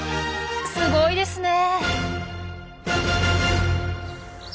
すごいですね。